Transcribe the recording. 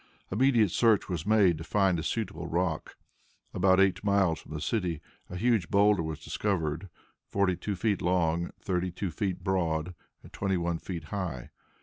Immediate search was made to find a suitable rock. About eight miles from the city a huge boulder was discovered, forty two feet long, thirty four feet broad, and twenty one feet high.